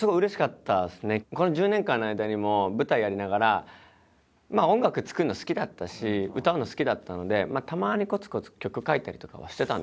この１０年間の間にも舞台やりながらまあ音楽作るの好きだったし歌うの好きだったのでたまにこつこつ曲書いたりとかはしてたんですよ。